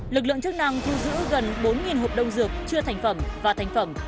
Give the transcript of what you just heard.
lực lượng chức năng thu giữ gần bốn hộp đông dược chưa thành phẩm và thành phẩm